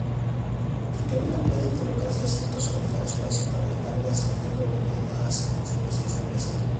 En cabina pueden colocarse asientos o dejar espacio para la carga siguiendo variadas configuraciones.